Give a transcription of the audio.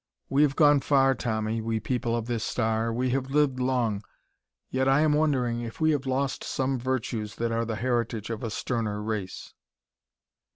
We have gone far, Tommy, we people of this star; we have lived long. Yet I am wondering if we have lost some virtues that are the heritage of a sterner race.